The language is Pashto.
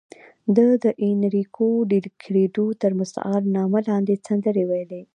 ده د اینریکو ډیلکریډو تر مستعار نامه لاندې سندرې ویلې.